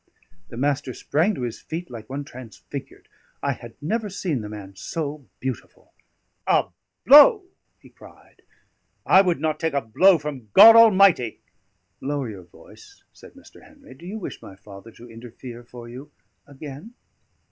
The Master sprang to his feet like one transfigured; I had never seen the man so beautiful. "A blow!" he cried. "I would not take a blow from God Almighty!" "Lower your voice," said Mr. Henry. "Do you wish my father to interfere for you again?"